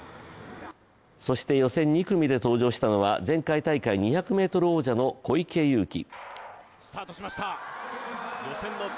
そして、予選２組で登場したのは前回大会２００ｍ王者の小池祐貴。